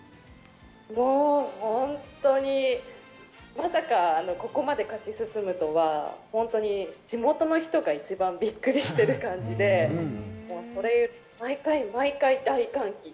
もう本当にまさかここまで勝ち進むとは、地元の人が一番びっくりしてる感じで、毎回毎回、大歓喜。